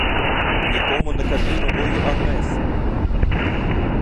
Нікому не каже нової адреси.